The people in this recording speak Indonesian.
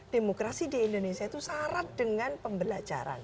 demokrasi di indonesia itu syarat dengan pembelajaran